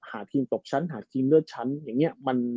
หาทีมตกชั้นหาทีมเลือดชั้นอย่างนี้